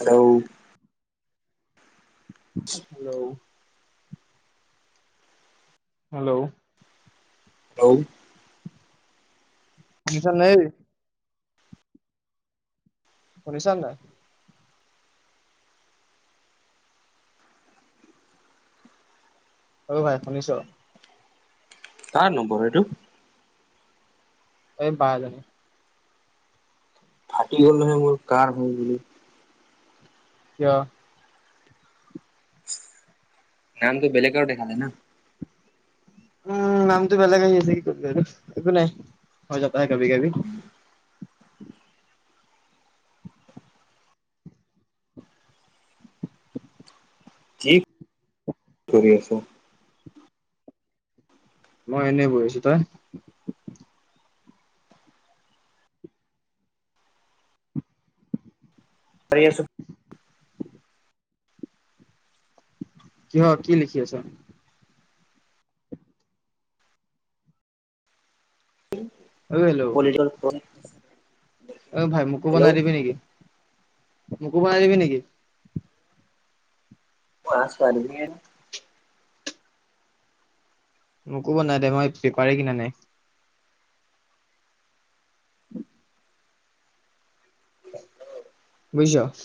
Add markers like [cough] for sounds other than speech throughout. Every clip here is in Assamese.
হেল্ল! হেল্ল'! হেল্ল'! হেল্ল! নিকল নাই ঐ শুনিছা নাই? অ ভাই শুনিছ? কাৰ নম্বৰ হয় এইটো? এ বা এজনী। ফাটি গ'ল নহয় মোৰ কাৰ হয় বুলি। কিয়? নামটো বেলেগৰ দেখালে না। উম নামটো বেলেগ আহি আছে কি কৰিবি আৰু একো নাই হ যাতা হে কাভি কাভি। কি কৰি আছ? মই এনেই বহি আছো, তই? পাৰি আছো। কিহৰ কি লিখি আছ? অ হেল্ল' পলিটিকেল পয়েমচ। অ ভাই মোকো বনাই দিবি নেকি, মোকো বনাই দিবি নেকি? পাছ বাৰ দিনে মোকো বনাই দে মই পেপাৰে কিনা নাই? উম। বুজিছ?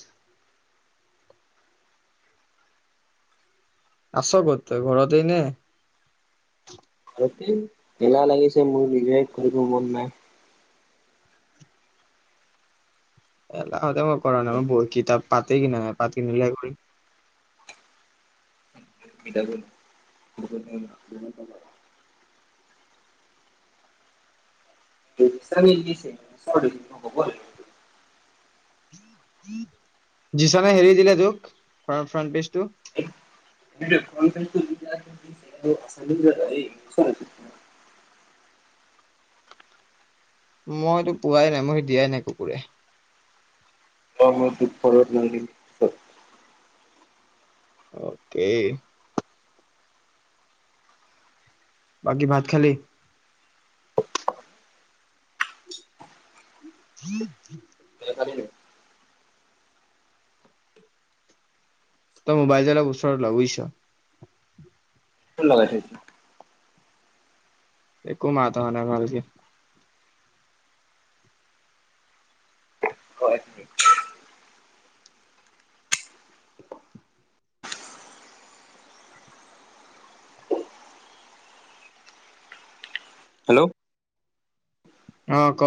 আছ কত তই ঘৰতে নে? এলাহ লাগিছে মোৰ নিজে কৰিব মন নাই। এলাহতে মই কৰা নাই মই ব কিতাপ পাতেই কিনা নাই পাত কিনিলে কৰিম। [inaudible] চ দিছে চ ব যিছনে হেৰি দিলে তোক ফ্ৰ ফ্ৰণ্ট পেজটো? চ [inaudible] মইতো পোৱাই নাই, মই সেই দিয়াই নাই কুকুৰে। ক মই দুখ পত ন অকে। বাকী ভাত খালি? [inaudible] তই মোবাইল অলপ ওচৰত ল বুজিচ? কোন লগাই সেহতি একো মাত অহা নাই ভালকে হেল্ল' অ ক?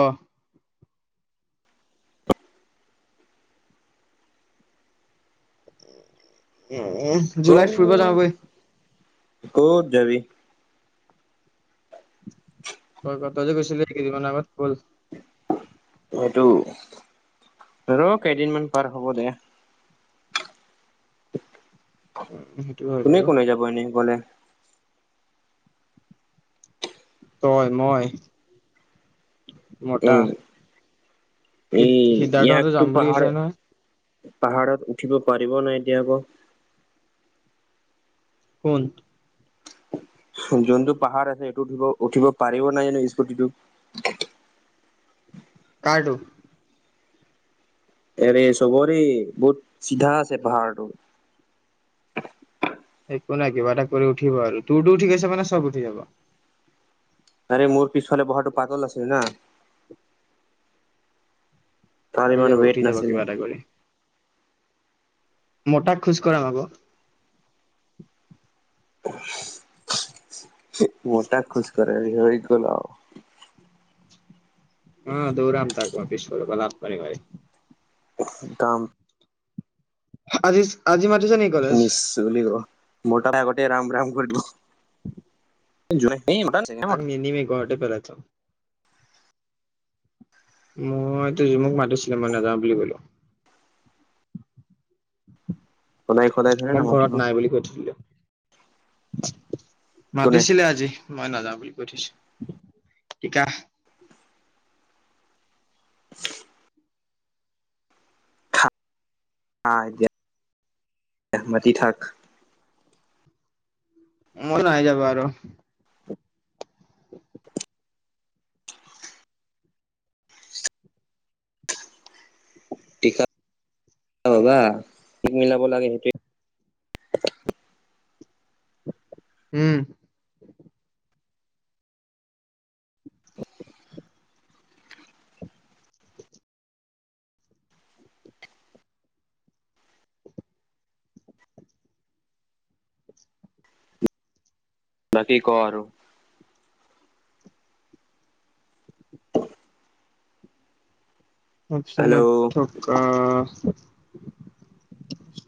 এ জুলাইত ফুৰিব অ যাওঁ বই? ক'ত যাবি? ক ক তই যে কৈছিলি কেইদিনমান আগত বল। সেইটো, ৰ কেইদিনমান পাৰ হ'ব দে। উ সেইটো হয় কোনে বাৰু কোনে যাব এনেই গলে তই মই মটা উম সি এই সিদ্ধাৰ্থ সেতি ইয়াকতো যাম বুলি পাহাৰ কৈছিলে নহয় পাহাৰত উঠিব পাৰিব নাই এতিয়া আকৌ কোন যোনটো পাহাৰ আছে সেইটো উঠিব উঠিব পাৰিব নাই জানো স্কুটিটো কাৰটো এৰে চবৰে বহুত চিধা আছে পাহাৰটো একো নাই কিবা এটা কৰি উঠিব আৰু তোৰতো উঠি গৈছে মানে চব উঠি যাব আৰে মোৰ পিছফালে বহাটো পাতল আছিল ন তাৰ উঠি যাব মানে উঠি ৱেট যাব নাছিল কিবা এটা মটাক খোজকঢ়াম আকৌ মোটাক খোজ কঢ়ালে হৈ গল আৰু অ দৌৰাম তাক পিছফালৰ পৰা লাট মাৰি মাৰি কাম আজি আজি ম ফিনিৰ্চ বুলি ক'ব নকৰাৰ আগতে ৰাম ৰাম বুলি কৈ দিব [inaudible] তাক নিনিবি পাহাৰ টো ওপৰত মইতো জোনক মাতিছিলো মই নাযাওঁ বুলি কলো সদায় সদায় থৰে না মোক ঘৰত মাতিব নাই বুলি কৈ থলোঁ কোনে মাতিছিলে আজি মই নাযাওঁ বুলি কৈ থৈছো সিকা [inaudible] আহ এতিয়া মাতি থাক মই নাই যাব আৰু [inaudible] ঠিকা [unintelligible] হ'বা যি মিলাব লাগে সেইটোৱে [inaudible] উম বাকী ক আৰু অপচনত হেল্ল' থকা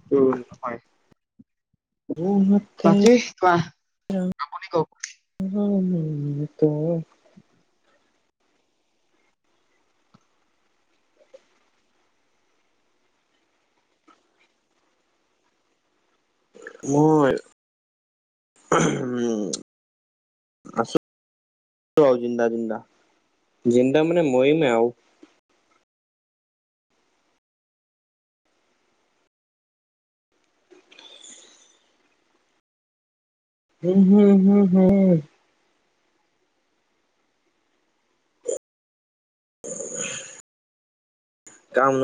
নহয় বাকী কোৱা আপুনি কওক। [unintelligible] [unintelligible] মই উম আছে জিন্দা জিন্দা জিন্দা মানে মৰিম আৰু উম হুম হুম হুম কাম